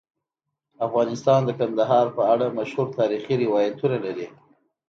افغانستان د کندهار په اړه مشهور تاریخی روایتونه لري.